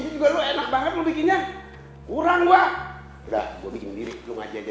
juga enak banget bikinnya kurang gua udah bikin diri dulu ya dulu ya